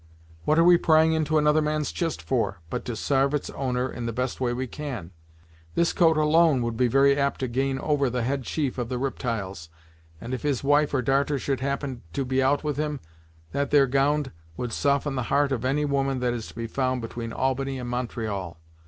What are we prying into another man's chist for, but to sarve its owner in the best way we can. This coat, alone, would be very apt to gain over the head chief of the riptyles, and if his wife or darter should happen to be out with him, that there gownd would soften the heart of any woman that is to be found atween Albany and Montreal.